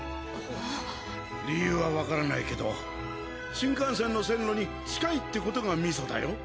理由はわからないけど新幹線の線路に近いってことがミソだよ。